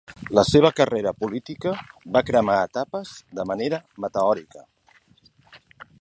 La seva carrera política va cremar etapes de manera meteòrica.